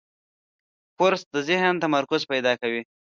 کورس د ذهن تمرکز پیدا کوي.